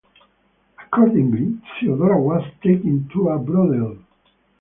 Accordingly, Theodora was taken to a brothel.